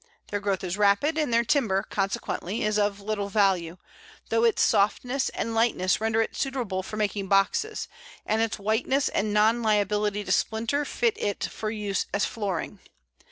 Their growth is rapid, and their timber, consequently, is of little value, though its softness and lightness render it suitable for making boxes, and its whiteness and non liability to splinter fit it for use as flooring.